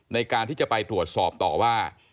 ในการที่จะไปตรวจสอบต่อว่า